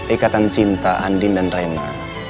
ikatan cinta andin dan raina